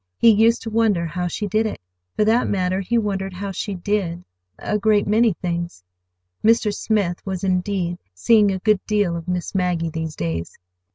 He used to wonder how she did it. For that matter, he wondered how she did—a great many things. Mr. Smith was, indeed, seeing a good deal of Miss Maggie these days.